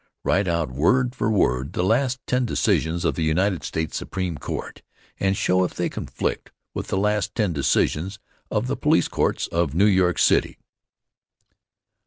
Write out word for word the last ten decisions of the United States Supreme Court and show if they conflict with the last ten decisions of the police courts of New York City."